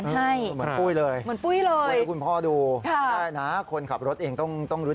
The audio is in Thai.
เช็คน้ำมันเครื่องด้วย